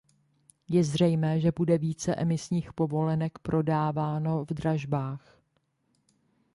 Je zřejmé, že bude více emisních povolenek prodáváno v dražbách.